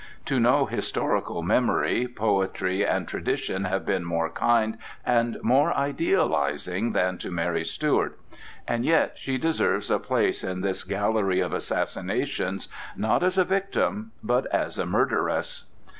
To no historical memory poetry and tradition have been more kind and more idealizing than to Mary Stuart; and yet she deserves a place in this gallery of assassinations not as a victim, but as a murderess.